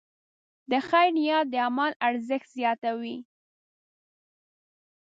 د خیر نیت د عمل ارزښت زیاتوي.